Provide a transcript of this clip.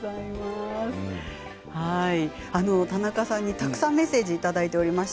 田中さんにたくさんメッセージいただいております。